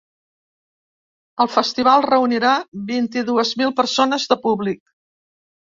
El festival reunirà vint-i-dues mil persones de públic.